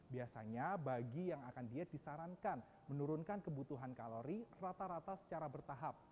biasanya bagi yang akan diet disarankan menurunkan kebutuhan kalori rata rata secara bertahap